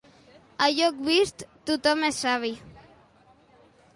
A joc vist, tothom és savi.